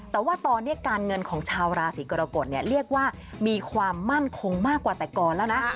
แต่ว่าตอนนี้การเงินของชาวราศีกรกฎเรียกว่ามีความมั่นคงมากกว่าแต่ก่อนแล้วนะ